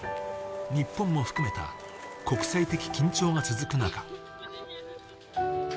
日本も含めた国際的緊張が続く中